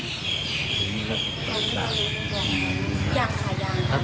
ถึงรัฐศาสตร์